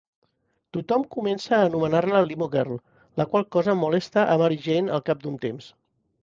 Tothom comença a anomenar-la "Limo Girl", la qual cosa molesta a Mary Jane al cap d'un temps.